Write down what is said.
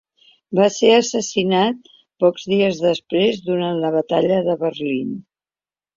Va ser assassinat pocs dies després, durant la Batalla de Berlín.